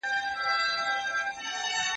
په هغه کور کي به د خدمت مخه ونه نیول سي.